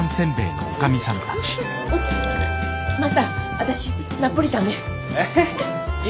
マスター私ナポリタンね。